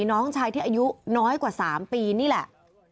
น้องชายที่อายุน้อยกว่า๓ปีนี่แหละ